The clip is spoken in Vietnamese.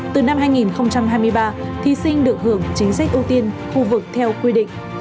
từ năm hai nghìn hai mươi ba thí sinh được hưởng chính sách ưu tiên khu vực theo quy định